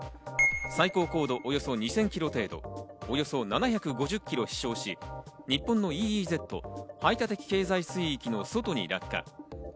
最高高度およそ２０００キロ程度、およそ７５０キロ飛翔し、日本のＥＥＺ＝排他的経済水域の外に落下。